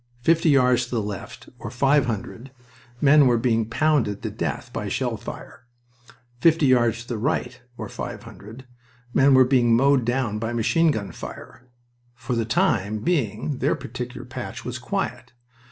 Fifty yards to the left, or five hundred, men were being pounded to death by shell fire. Fifty yards to the right, or five hundred, men were being mowed down by machine gun fire. For the time being their particular patch was quiet.